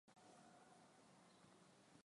bei za masoko kwa kawaida zinasomwa na mwenyeji